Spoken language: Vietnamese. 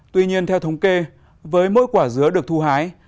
tuy nhiên theo thống kê với mỗi quả dứa được thu hái